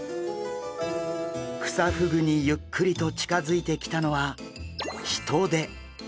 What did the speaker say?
クサフグにゆっくりと近づいてきたのはヒトデ！